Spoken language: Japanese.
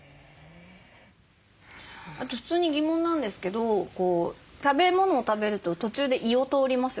あと普通に疑問なんですけど食べ物を食べると途中で胃を通りますよね。